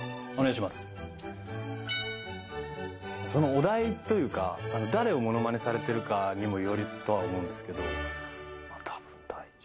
お題というか誰をモノマネされてるかにもよるとは思うんですけど。